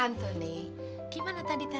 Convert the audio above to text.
artinya kayak gini sih